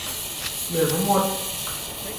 เลือกทั้งหมด